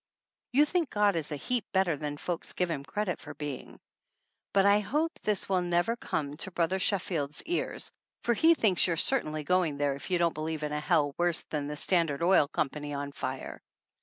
You think God is a heap better than folks give Him credit for being. But I hope this will never come to Brother Sheffield's ears, for he thinks you're certainly going there if you don't believe in a hell worse than the Standard Oil Company on fire.